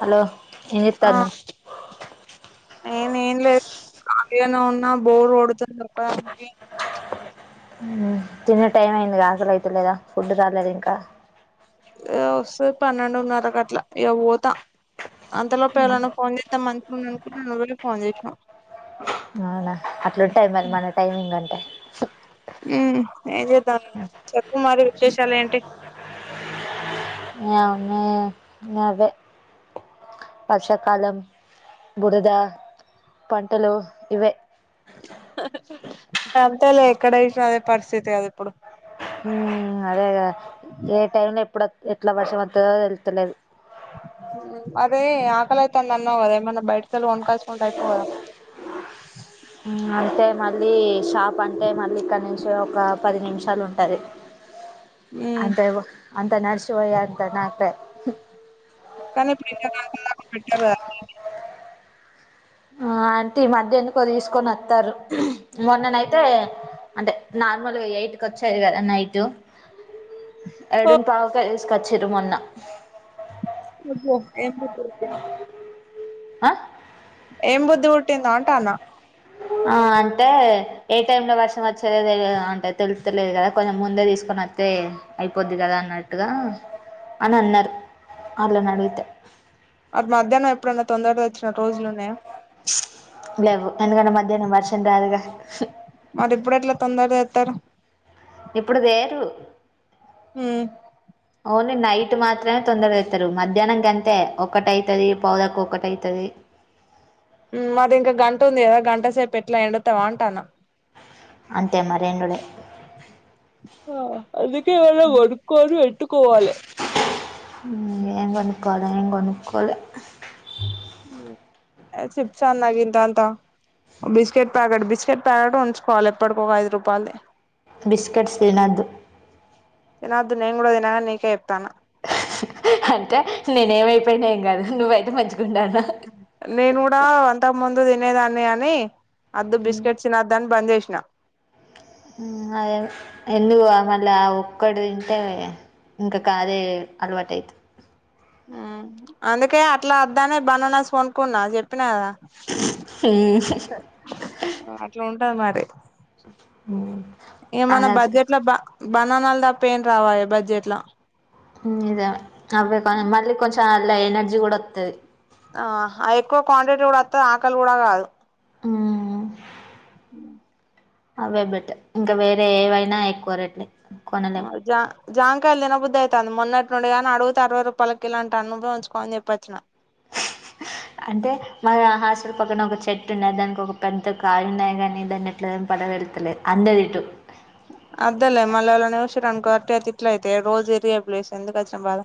hello ఎం జేత్తనవ్ నేను ఏం లేదు కలిగానే ఉన్నా బోర్ గోడుతుంది ఒక్కదానికి అవునా తినే టైం అయింది గా ఆకలి అయితలేదా ఫుడ్ రాలేద ఇంకా ఎ వస్తది పన్నెండున్నరకు అట్లా ఇగ వోతా అంతలోప ఎవల్లన్న ఫోన్ చేత్తే మం నేను అనుకున్న నువ్వే ఫోన్ చేసిన్నవ్ అవునా అట్లుంటది మరి మన టైమింగ్ అంటే మ్ ఎం జేత్తనళ్ళు చెప్పు మరి విశేషాలు ఏంటి ఎం ఉన్నాయ్ అవే వర్షాకాలం బురద పంటలు ఇవే హ అంతేలే ఎక్కడ చూసిన అదే పరిస్థితి గద ఇప్పుడు మ్ అదే గదా ఏ టైమ్ లో ఎప్పుడ్ ఎట్లా వర్షం వాత్తదో తేలుస్తలేదు ఉమ్ అదే ఆకలయితుంది అన్నవ గదా ఎమన్నా బయట కెళ్ళి కొనుకోచుకుంటే అయిపోవు గదా ఉమ్ అంటే మళ్ళీ షాప్ అంటే మళ్ళీ ఇక్కడ నుంచి ఒక పది నిమిషాలు ఉంటది ఉమ్ అంతేవో అంత నడిషివొయే అంత నాకప్ కాని పెట్టారు గదా ఆ అంటే ఈ మధ్య ఎందుకో తీసుకొని వత్తరు మొన్ననైతే అంటే నార్మల్ గ ఎయిట్ కి వచ్చేది గదా నైటు ఓ ఎడున్ పావక తీసుకొచ్చిరు మొన్న [unintelligible] ఎందుకు ఆ ఏం బుద్ధి పుట్టిందా అంటానా ఆ అంటే ఏ టైమ్ లో వర్షం వచ్చేదే తెలియదు అంటది తెలుస్తలేదు కదా కొంచెం ముందే తీసుకోని వ తే అయిపోద్ది కదా అన్నట్టుగా అని అన్నారు ఆళ్ళని అడిగితే అది మధ్యాహ్నం ఎప్పుడన్నా తొందరగా వచ్చిన రోజులు ఉన్నాయా ప్చ్ లేవ్వు ఎందుకంటే మధ్యాహ్నం వర్షం రాదుగా మరి ఇప్పుడు ఎట్లా తొందరగ వత్తారు ఇప్పుడు వేరు హ్మ్ ఓన్లీ నైట్ మాత్రమే తొందరజెత్తరు మధ్యాహ్నం గంతే ఒకటైతది పావు తక్కువ ఒకటైతది మాది ఇంక గంటుంది గదా గంట సేపు ఎట్లా ఎండుతవ అంటన్నా అంతే మరి ఎండుడె ఆహ్ అందుకే ఎవ్వన కొనుక్కొని పెట్టుకోవాలి ఏం గోనుక్కోవాలి ఏం గోనుక్కోలె చిప్స్ అన్న గింతంత బిస్కెట్ ప్యాకెట్ బిస్కెట్ ప్యాకెట్ ఉంచుకోవాలి ఎప్పడ్కి ఒక ఐదు రూపాయలది బిస్కెట్స్ తినొద్దు తినొద్దు నేన్ గూడ దిన గాని నీకే జెప్తాన్న అంటే నేనేమైపోయిన ఏం గాదు నువ్వైతే మంచిగుండాలన నేను గూడా అంతకుముందు తినేదాన్ని గాని అద్దు బిస్కెట్ తినద్ అని బంద్ జేషిన హ్మ్ అదే అదే ఎందుకు లే మళ్ళ ఆహ్ ఒక్కడ్ తింటే ఇంకా కారె అలవాటైతది అందుకే అట్లా అద్దానే బనానాస్ కొనుకున్నా జెప్పినా గదా అట్ల ఉంటది మరి హ్మ్ ఇగ మన అలా స- బడ్జెట్ లా బ బనానాలు దప్ప ఏం రావాయే బడ్జెట్ లో హ్మ్ ఇద అవ్వె కని మళ్ళీ కొంచెం అలా ఎనర్జీ గుడా ఒత్తది ఆహా అయి ఎక్కువ క్వాంటిటీ గుడా వత్తద్ ఆకలి గూడా కాదు హ్మ్ అవే బెటర్ ఇంకా వేరే ఏవైనా ఎక్కువ రేట్లే మౌజా జాంకాయిల్ తినబుద్ది అయిత్తంది మొన్నటి నుండి గాని అడుగుతే అరవై రూపాయలక్ కిలో అంటాండు నువ్వే ఉంచుకో అని జెప్పోచిన అంటే మాద హాస్లల్ పక్కన ఒక చెట్టు ఉన్నాది దానికోక పెద్ద కాయ ఉన్నాది గానీ దాన్ని ఎట్లా దెంపాలో దెలుత్తలేదు అందదు ఇటు అదేలే మళ్ళ ఎవలన జూషిండ్రనుకో అట్టిగా తిట్లయితై రోజు ఇరిగే ప్లేస్ ఎందుకు వచ్చిన బాదా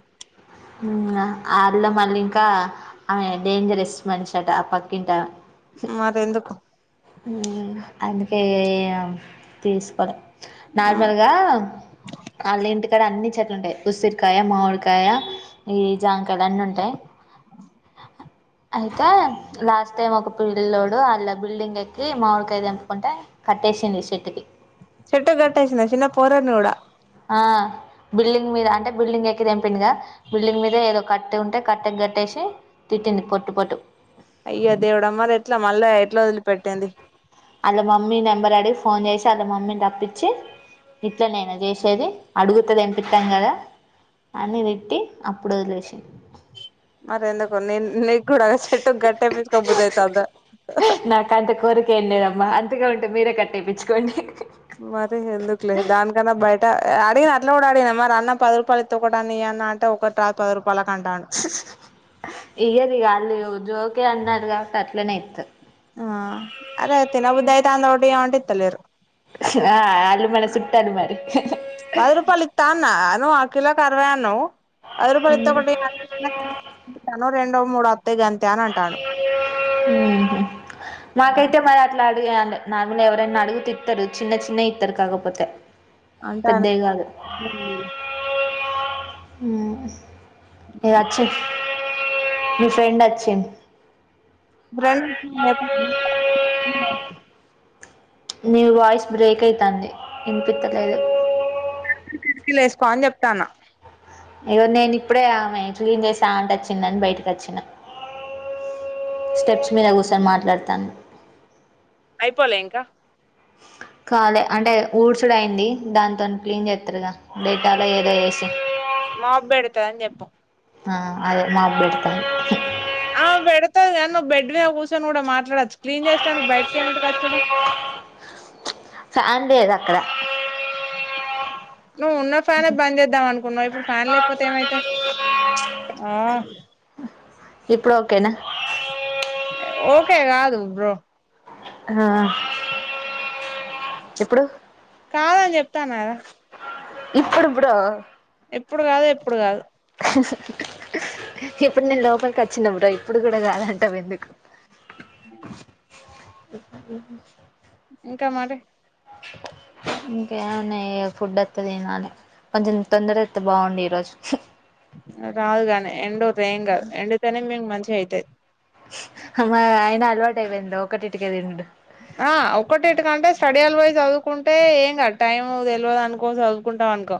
ఆళ్ళ మళ్ళీంకా ఆమె డేంజరస్ మనిషంట ఆ పక్కింటావె మరెందుకు హ్మ్ అందుకే ఇగ ఏం తీస్కోలె నార్మల్గా వాళ్ళింటిక్ కడ అన్ని చెట్లు ఉంటయి ఉసిరికాయ మామిడికాయ ఈ జాంకాయలు అన్నీ ఉంటయి అయితే లాస్ట్ టైం ఒక పిల్లిల్లోడు అళ్ళ బిల్డింగ్ ఎక్ కీ మామిడికాయ దెంపుకుంటే కట్టేసింది చెట్కి చెట్టు గట్టేసిందా చిన్న పోరని గూడా ఆహ్ బిల్డింగ్ మీద అంటే బిల్డింగ్ ఎక్కి దెంపిండుగా బిల్డింగ్ మీద ఏదో కట్టే ఉంటే కట్టక్ గట్టేషి తిట్టింది పొట్టు పొట్టు అయ్యో దేవుడ మరి ఎట్లా మళ్ళా ఎట్లా ఒదిలిపెట్టింది ఆళ్ళ మమ్మీ నెంబర్ అడిగి ఫోన్ జేషి వాళ్ళ మమ్మీని రప్పించి ఇట్లనేనా జెషేది అడుగుతే దెంపిత్తం గదా అని దిట్టి అప్పుడొదిలేషింది మరి ఎందుకు నిన్ నీక్ గూడా అదే చెట్టు గట్టెపిచుకోబుద్దైతాంద నాక్ అంత కోరిక ఏం లేదమ్మా అంతగా ఉంటే మీరే కట్టేపించుకోండి మరి ఇగ ఎందుకులే దానికన్నా బయట ఆడిగిన అట్లా గూడా ఆడిగనా మరి అన్న పది రూపాల్ ఇత్త ఒకటన్న ఇయి అంటే ఒక రాద్ పద్ రూపాలక్ అంటాండు ఇయరిగా ఆలూ జోకే అన్నార్ గావట్టి అట్లనే ఇత్తరు ఆ అరె తిన బుద్ది అయితంది ఒటి ఇయ్యమంటే ఇత్తలేరు ఆ అలు మన సుట్టాలు మరి పది రూపాలితాన్నా నువ్వు అ కిలాకు ఆర్వయి అన్నావ్ పది రూపాలు ఇత్త ఒకటి ఎయిమాను ఇకాను రెండో మూడు అత్తయి గంతే అని అంటాడు మాకైతే మరి అట్లా అడి నాగులు ఎవరైనా అడుగుతె ఇత్తారు చిన్న చిన్న ఇత్తారు కాకపోతే అంటాన్ పెద్దయి కాదు అ ఇదచ్చి మీ ఫ్రెండ్ అచ్చిన్ [unintelligible] మీ వాయిస్ బ్రేక్ ఐతంది వినిపితాలేదు కిటీకి లేసుకో అని చెప్తాన ఇగో నేను ఇప్పుడే ఆమె క్లీన్ చేసే ఆంటీ అచ్చిందని బయటకి అచ్చిన స్టెప్స్ మీద కూసోని మాట్లాడతాన్న అయిపోలే ఇంకా కాలే అంటే ఊడ్సుడు అయి్యంది దాతో క్లీన్ చేస్తారుగాా డేటలో ఏదో ఎసి మాప్ పెడతది అని చెప్పు ఆ అదే మోప్ బేడతా ఆ పెడతా కాని నువ్వు బడ్ మీద కూర్చొని కూడా మాట్లాడొచ్చు క్లీన్ చేసడానికి బయటకి ఏమిట కచ్చోడు ఫ్యాన్ లేదు అక్కడ నువ్వు ఉన్న ఫ్యానే బంద్ చేద్దాం అనుకున్నావు ఇప్పుడు ఫ్యాన్ లేకపోతే ఏమైతే ఆ ఇప్పుడు ఓకేనా ఓకే కాదు బ్రో ఆ ఇప్పుడు కాదని చెప్తాన్నా కదా ఇప్పుడు బ్రో ఇప్పుడు కాదు ఎప్పుడు కాదు ఇప్పుడు నేను లోపలికి వచ్చిన బ్రో ఇప్పుడు కూడా కాదంటావు ఎందుకు అ ఇంకా మరీ ఇంకేమున్నాయి ఫుడ్ అత్తే తినాలి కొంచెం తొందరోత్తే బాగుండు ఈరోజు రాదుగాని ఎండుర్రి ఎం కాదు ఎండుతనే మేము మంచిగా అయితది మ అయిన అలవాట అయిపోయింది ఒక్కటీంటికే తినుడు ఆ ఒక్కటీంటికంటే స్టడీ అల్ పోయ్ చదువుకుంటే ఏం కదు టైమ్ తెలియదు అనుకో చదువుకుంటాం అనుకో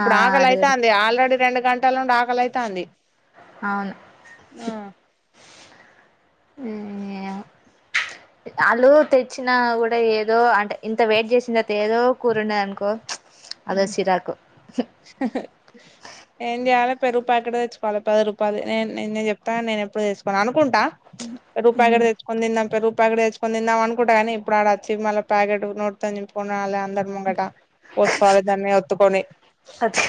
ఆ ఆకలి అది అైతంది ఆల్రెడీ రెండు గంటల నుండి ఆకలై తంది అవును ఆ వాళ్లు తెచ్చిన కూడా ఏదో అంటే ఇంత వెయిట్ చేసిన తర్వాత ఏదో కూరున్నదనుకో అదో సీరాకు ఏం చేయాలి పెరుగు ప్యాకెట్ తెచ్చుకోవాలి పది రూపాయలది నేను చెప్తాగానీ నేను ఎప్పుడు తెచ్చుకోను అనుకుంటా పెరుగు ప్యాకెట్ తెచ్ కిని తీందం పెరుగు ప్యాట్ తెచ్చుకోని తీందాం అనుకుంటా కాని ఆడ అచ్చి మళ్ళ ప్యాకెట్ నోటితోని చింపుకొని అల్ల అందరు ముంగట కొని దాన్ని ఒత్తుకోని అదే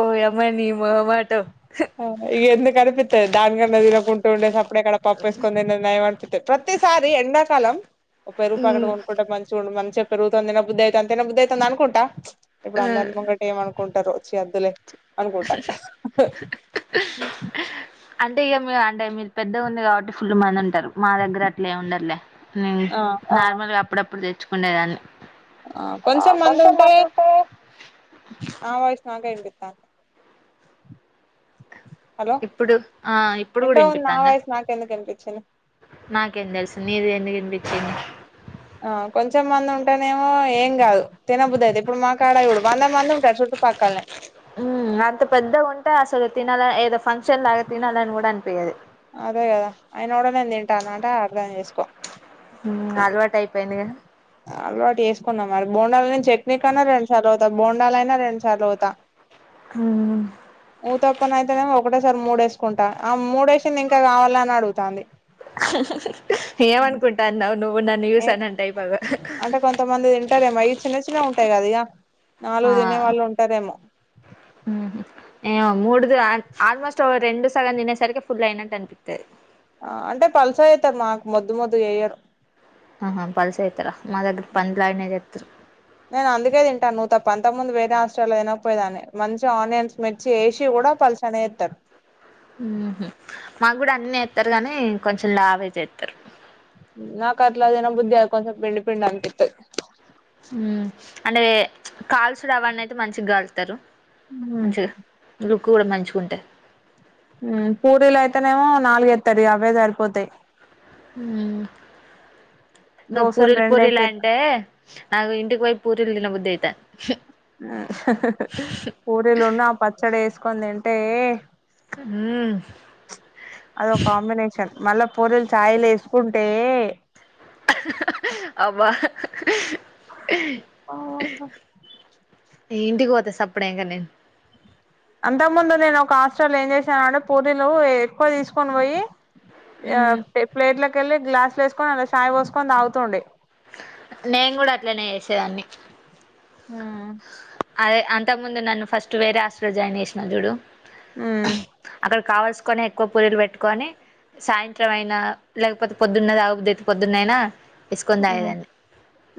ఓ యమ్మ నీ మొహమాటం గ ఎందుకనిపిత్తది దాని కన్నా తినకున్న ఉండే సప్పుడేక పప్పు ఏస్కొని తిన్నది నయం అనిపిత్తది ప్రతిసారి ఎండాకాలం ఓ పెరుగు ప్యాకెట్ ఉమ్ కొనుకుంటే మంచిగుండు మంచిగ పెరుగుతోని తినబుద్ది అయితాంది తినబుద్ది అయితాంది అనుకుంటా ఇప్పుడు అందరి ముంగట ఏమనుకుంటరో చి అద్దులే అనుకుంటా అంటే ఇగ మీ అంటే మీరు పెద్దగ ఉంది కాబట్టి ఫుల్ మంది ఉంటారు మా దగ్గర అట్లే ఉండరులే నే ఆ నార్మల్గా అప్పుడప్పుడు తెచ్చుకునేదాన్ని ఆ కొంచెం మటుంటే నా వాయిస్ నాకె ఇనిపిత్తంది హలో ఇప్పుడు ఆ ఇప్పుడు ఇంత కూడా ముందు నా వినిపిత్తాందా వాయిసు నాకెందుకు ఇనిపించింది నాకేం తెలుసు నీది ఎందుకు వినిపించిందో ఆ కొంచెం మంది ఉంటేనేమో ఏం కాదు తినబుద్దయితది ఇప్పుడు మా కాడ చుడు వంద మంది ఉంటారు చుట్టుపక్కల్నే మ్ అంత పెద్దగ ఉంటే అసలు తినాల ఏదో ఫంక్షన్ లాగా తినాలని కూడా అనిపియది అదే కదా ఆయన కూడా నేను తింటానంటే అర్థం చేసుకో మ్ అలవాటు అయిపోయిందిగా అలవాటు చేసుకున్నా మరి బోండాల్ తిని చట్నీ కన్నా రెండు సార్ల ఓ త బోండాలైనా రెండు సార్ల పోత మ్ ఊతప్పనైతేనేమీ ఒకటేసారి మూడేసుకుంటా ఆ మూడ ఏసింది ఇంకా కావాల్నా అని అడుగుతాంది ఏమనుకుంటాన్నావ్ నువ్వు నన్ను ఏ చూసి అని అంటే అయిపోవు అంటే కొంతమంది తింటారేమో ఇవి చిన్న చిన్నగ ఉంటాయి కదా ఇగ నాలుగు తినే వాళ్ళు ఉంటారేమో మ్ ఏవో మూడు ఆల్మోస్ట్ ఓ రెండు సగం తినేసరికి ఫుల్ అయినట్టు అనిపిత్తది ఆ అంటే పల్సగ చెత్తరు మాకు మొద్దు మోద్దు చెయ్యరు ఆహ పల్సగ చెత్తర మా దగ్గర పంది లాగనే చెత్తరు నేనందుకే తింటాన్ నువ్వు తప్ప అంతక్ముందు వేరే హస్టల్ల తినకపోయేదాన్ని మంచిగ ఆనియన్స్, మిర్చి ఏసి కూడ పల్స్ ట్లనే యేత్తర్ ఉమ్ హ్ మాగ్గుడ అట్నే చేత్తరు గనీ కొంచెం లావే చేత్తరు నాకు అట్ల తిన బుద్ధి గాదు కొంచెం పిండి పిండానిపిత్తయ్ ఉమ్ అంటే కాల్సుడవన్నయితే మంచిగ్గాలుస్తరు హ్మ్ మంచిగ లుక్ గూడ మంచిగుంటది ఉమ్ పూరీలయితేనేమో నాలుగేత్తది అవ్వే జరిపోతయ్ ఉమ్ నువ్ దోశలు పూరిల్ రెండేసేత్తా పూరిలంటే అదే ఇంటికి పోయి పూరీలు దినబుద్దయితాంది పూరీలున్ను ఆ పచ్చడేసుకొని తింటే ఉమ్ అదో కాంబినేషన్ మళ్ళ పూరిలు చాయిలేసుకుంటే అబ్బ ఓహో ఇ ఇంటికి పోత సప్పుడెంక నేను అంతకుముందు నేను ఒక హాస్టలో ఏం చేశానంటే పూరీలు ఎక్కువ తీసుకొని పోయి ఇగా మ్మ్ పే ప్లేట్లకెళ్ళి గ్లాస్ల ఏసుకొని అల్ల చాయి పోసుకొని తాగుతుండే నేను గూడ అట్లనే చేసేదాన్ని ఉమ్ అదే అంతకు ముందు నన్ను ఫస్ట్ వేరే హాస్టల్ లొ జాయిన్ చజేసినవ్ జూడు ఉమ్ అక్కడ కావల్సుకొని ఎక్కువ పూరీలు పెట్టుకొని సాయంత్రం అయినా లేకపోతే పొద్దున్న దాగబుద్దయితే పొద్దున్నయినా ఏసుకొని ఉమ్ తాగేదాన్ని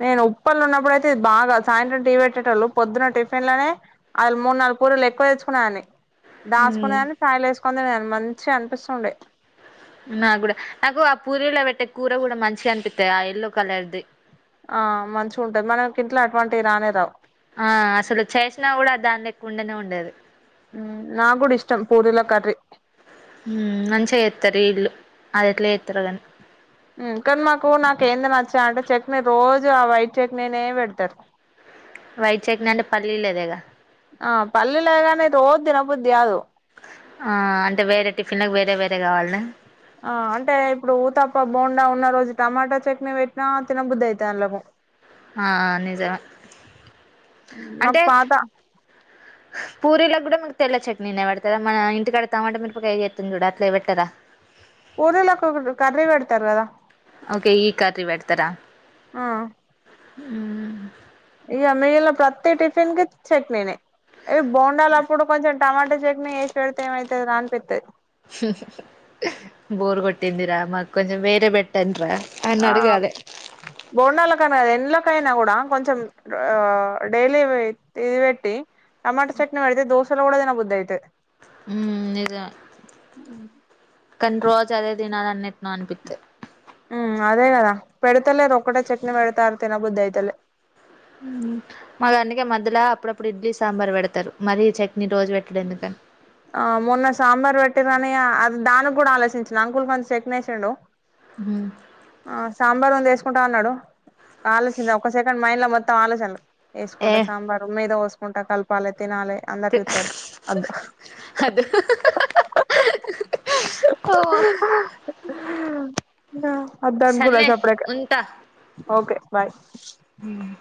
నేను ఉప్పల్ల ఉన్నప్పుడయితే ఇది బాగా సాయంత్రం టీ పెట్టేటోళ్ళు పొద్దున్న టిఫిన్ లనే ఆళ్ళ మూడు నాలుగు పూరిలు ఎక్కువ తెేచ్చుకునేదాన్ని దాసుకునే దాన్ని చాయిలేసుకొని తినేదాన్ని మంచిగనిపిస్తుండే నాగ్గుడా నాకు ఆ పూరీలో పెట్టే కూర కూడ మంచిగనిపిత్తది ఆ ఎల్లో కలర్ది ఆ మంచిగుంటది మనకింట్ల అటువంటివి రానే రావు ఆ అసలు చేసినా గూడ దాని లెక్క ఉండనే ఉండది ఉమ్ నాగ్గుడా ఇష్టం పూరిల కర్రీ ఉమ్ మంచిగ జెత్తరు ఈల్లు అది ఎట్ల జేత్తరో కని ఉమ్ కనీ మాకు నాకు ఏంది నచ్చదంటే చట్నీ రోజు ఆ వైట్ చట్నీనే పెడతరు వైట్ చట్నీ అంటే పల్లీలేదేగా ఆ పల్లీలే గని రోజ్ తినబుద్ది గాదు ఆ అంటే వేరే టిఫిన్లకి వేరే వేరే గావాల్న ఆ అంటే ఇప్పుడు ఊతప్ప బొండా ఉన్న రోజు టమాటా చట్నీ పెట్టినా తినబుద్ది అయితది అల్లకు ఆ నిజమే మ్ మాకు పాత పూరిలగ్గుడా మీకు తెల్ల చట్నీనే పెడుతదా మన ఇంటికాడ టమాటా మీరపకాయ చేత్తుండి జూడు అట్ల పెట్టరా పూరిలకు ఒక కర్రీ పెడతరు కదా ఓకే ఈ కర్రీ పెడతరా ఆ ఇగ మిగిల్న ప్రతి టిఫిన్ కి చట్నీనె ఇ బొండాలప్పుడు కొంచెం టమాటా చట్నీ ఏసి పెడితే ఏమైతదిర అనిపిత్తది బోర్ గొట్టిందిరా మాకు కొంచెం వేరే పెట్టన్డ్రా అనడగాలే బోండాల కానా ఎంలకైనా కూడా కొంచెం ఆ డైలీ ఇది పెట్టి టమాటో చట్నీ పెడితే దోసెలో కూడా తిన్న బుద్దాయితది ఉమ్ నిజమే కానీ రోజు అదే తినాలన్న అంత ఎట్లానో అనిపిత్తది ఉమ్ అదే కదా పెడతలేరు ఒకటే చట్నీ పెడతాన్రు తినబుద్ది అయితలే మాకు అందుకే మధ్యలో అప్పుడప్పుడు ఇడ్లీ సాంబార్ పెడతారు మరీ చట్నీ రోజు పెట్టడం ఎందుకని ఆ మొన్న సాంబార్ పెట్టిరని అది దానికి కూడా ఆలోచించిన అంకులు కొంచం చట్నీ ఏసిండు ఉమ్ ఆ సాంబార్ ఉంది వేసుకుంటవ అన్నడు ఆలోచన ఒక సెకండ్ మైండ్ లో మొత్తం ఆలోచనలు ఏ వేసుకుంటా సాంబారు మీద పోసుకుంటా కలపాలె తినాలి అందరూ చూత్తరు అద్దు అద్దు ఓ వద్దనుకున్న సర్లే సప్పుడేక ఉంటా ఓకే బాయ్ ఉమ్